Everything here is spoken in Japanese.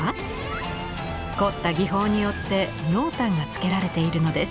凝った技法によって濃淡がつけられているのです。